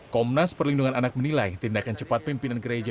komnas perlindungan anak menilai tindakan cepat pimpinan gereja